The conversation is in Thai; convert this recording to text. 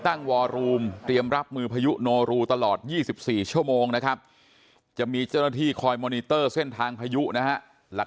วอรูมเตรียมรับมือพายุโนรูตลอด๒๔ชั่วโมงนะครับจะมีเจ้าหน้าที่คอยมอนิเตอร์เส้นทางพายุนะฮะหลัก